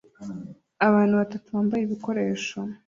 Abantu batatu bambaye ibikoresho